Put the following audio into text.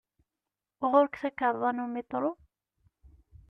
Ɣur-k takarḍa n umitṛu?